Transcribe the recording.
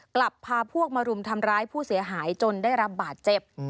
กลับพาพวกมารุมทำร้ายผู้เสียหายจนได้รับบาดเจ็บ